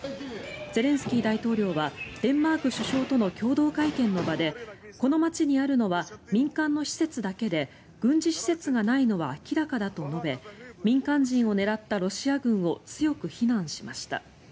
ゼレンスキー大統領はデンマーク首相との共同会見の場でこの街にあるのは民間の施設だけで軍事施設がないのは明らかだと述べ民間人を狙ったロシア軍を強く非難しました。